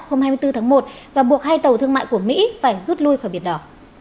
houthi đã đáp hôm hai mươi bốn tháng một và buộc hai tàu thương mại của mỹ phải rút lui khỏi biển đỏ